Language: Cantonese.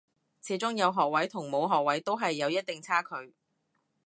始終有學位同冇學位都係有一定差距